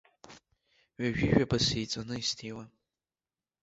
Ҩажәижәаба сеиҵаны исҭиуам.